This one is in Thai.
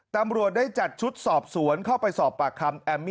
ตำรวจได้จัดชุดสอบสวนเข้าไปสอบปากคำแอมมี่